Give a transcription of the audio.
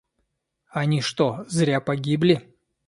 Они что, зря погибли?